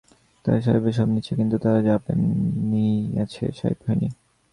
তারা সাহেবদের সব নিয়েছে, কিন্তু তারা জাপানীই আছে, সাহেব হয়নি।